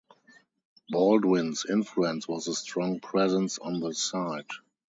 Baldwin's influence was a strong presence on the site.